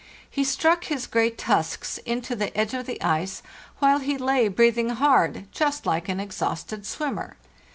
He struck his great tusks into the edge of the ice, while he lay breathing hard, just like an exhausted swimmer.